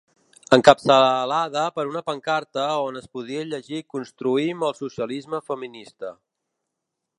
Encapçalada per una pancarta on es podia llegir Construïm el socialisme feminista.